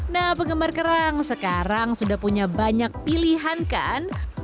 nah penggemar kerang sekarang sudah punya banyak pilihan kan